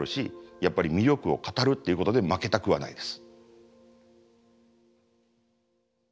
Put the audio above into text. やっぱり魅力を語るっていうことで負けたくはないです。